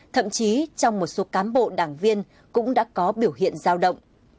thậm chí trong một số cán bộ đảng viên cũng đã có biểu hiện giao động